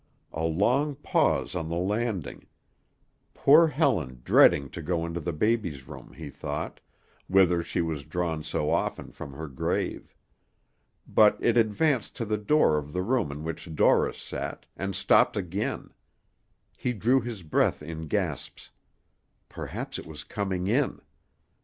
A long pause on the landing; poor Helen dreading to go into the baby's room, he thought, whither she was drawn so often from her grave. But it advanced to the door of the room in which Dorris sat, and stopped again; he drew his breath in gasps perhaps it was coming in!